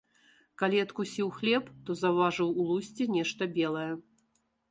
Калі адкусіў хлеб, то заўважыў у лусце нешта белае.